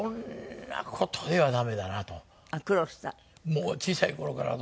もう小さい頃から。